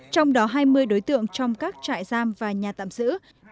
trong đó hai mươi đối tượng trong các trại giam và nhà tạm giữ